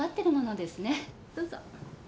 どうぞ。